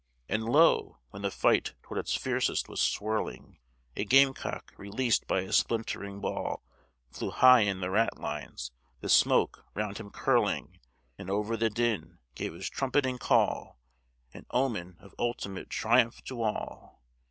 And lo, when the fight toward its fiercest was swirling, A game cock, released by a splintering ball, Flew high in the ratlines, the smoke round him curling, And over the din gave his trumpeting call, An omen of ultimate triumph to all!